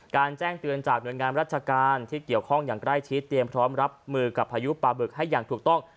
แจ้งเตือนจากหน่วยงานราชการที่เกี่ยวข้องอย่างใกล้ชิดเตรียมพร้อมรับมือกับพายุปลาบึกให้อย่างถูกต้อง